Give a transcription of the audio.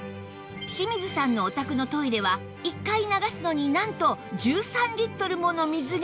清水さんのお宅のトイレは１回流すのになんと１３リットルもの水が必要